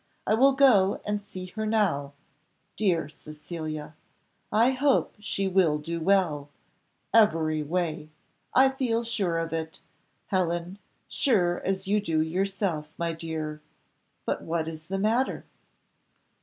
I will go and see her now; dear Cecilia! I hope she will do well every way I feel sure of it, Helen sure as you do yourself, my dear But what is the matter?"